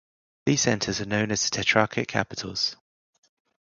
These centres are known as the tetrarchic capitals.